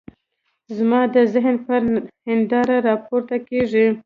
زما د ذهن پر هنداره را پورته کېږي.